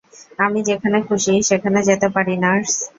আমি যেখানে খুশি সেখানে যেতে পারি, নার্স।